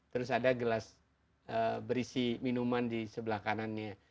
terus ada gelas berisi minuman di sebelah kanannya